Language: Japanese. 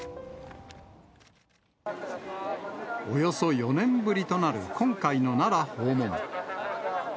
およそ４年ぶりとなる今回の奈良訪問。